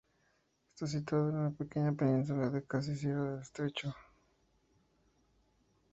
Está situado en una pequeña península que casi cierra el estrecho.